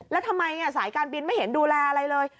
แล้วทำไมสายการบินไม่เห็นดูแลอะไรเลย